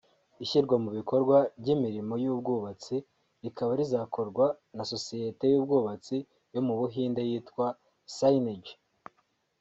Ishyirwa mu bikorwa ry’imirimo y’ubwubatsi rikaba rizakorwa na sosiyete y’ubwubatsi yo mu buhinde yitwa Synergy